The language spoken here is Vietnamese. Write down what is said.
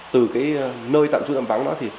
từ cái nơi tặng chú tặng vắng đó thì